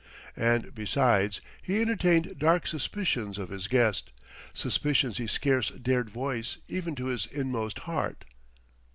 And besides, he entertained dark suspicions of his guest suspicions he scarce dared voice even to his inmost heart.